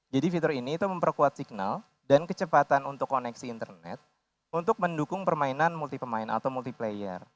jadi fitur ini itu memperkuat signal dan kecepatan untuk koneksi internet untuk mendukung permainan multi pemain atau multiplayer